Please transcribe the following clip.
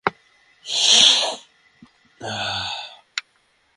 তোমার দোস্ত তো মারা পড়বে ওখানে।